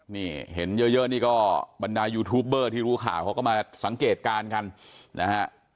นี่เห็นเยอะนี่ก็บรรดายูทูปเบอร์ที่รู้ข่าวเขาก็มาสังเกตการณ์กันนะฮะ